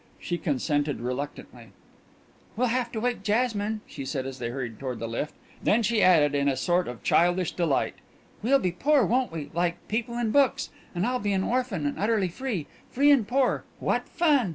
She consented reluctantly. "We'll have to wake Jasmine!" she said, as they hurried toward the lift. Then she added in a sort of childish delight: "We'll be poor, won't we? Like people in books. And I'll be an orphan and utterly free. Free and poor! What fun!"